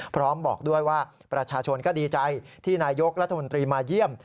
พร้อมบอกด้วยว่าประชาชนก็ดีใจที่นายกรัฐมนตรีมาเยี่ยม